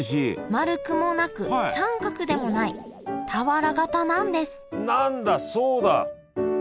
丸くもなく三角でもない俵型なんです何だそうだ。